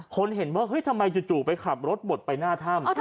คนเห็นว่าเฮ้ยทำไมจู่ไปขับรถบดไปหน้าถ้ำ